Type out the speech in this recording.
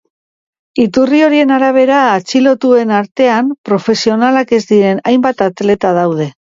Iturri horien arabera, atxilotuen artean profesionalak ez diren hainbat atleta daude.